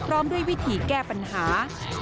พร้อมด้วยวิธีแก้ปัญหา